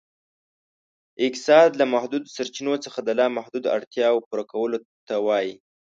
اقتصاد ، له محدودو سرچینو څخه د لا محدودو اړتیاوو پوره کولو ته وایي.